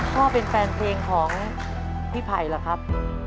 พ่อเป็นแฟนเพลงของพี่ไผ่เหรอครับ